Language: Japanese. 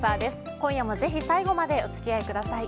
今夜もぜひ最後までお付き合いください。